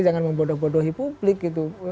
jangan membodoh bodohi publik gitu